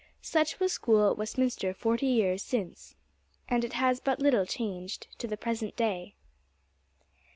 Such was school at Westminster forty years since, and it has but little changed to the present day.